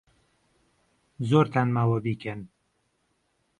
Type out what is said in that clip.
زۆرتان ماوە بیکەن.